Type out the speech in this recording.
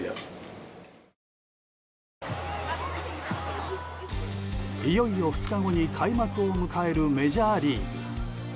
いよいよ２日後に開幕を迎えるメジャーリーグ。